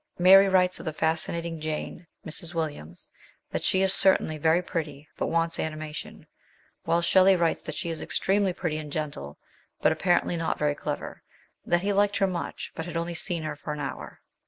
Mary writes of the fascinating Jane (Mrs. Williams) that she is certainly very pretty, but wants animation ; while Shelley writes that she is extremely pretty and gentle, but apparently not very clever ; that he liked her much, but had only seen her for an hour.